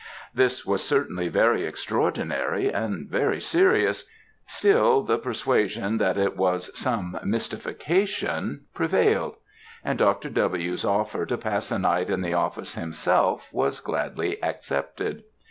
"This was, certainly, very extraordinary and very serious; still the persuasion that it was some mystification prevailed; and Dr. W.'s offer to pass a night in the office himself, was gladly accepted.